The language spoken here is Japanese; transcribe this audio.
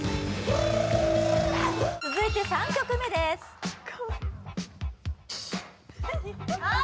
続いて３曲目ですあっ！